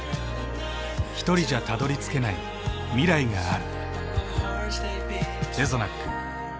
ひとりじゃたどりつけない未来がある。